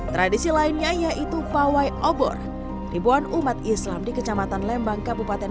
tradisi lainnya yaitu pawai obor ribuan umat islam di kecamatan lembang kabupaten